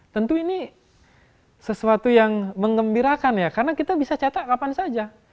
tentu ini sesuatu yang mengembirakan ya karena kita bisa cetak kapan saja